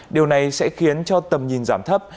điều này sẽ khiến cho tầm nhìn giảm thấp